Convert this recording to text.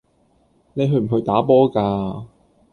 你去唔去打波㗎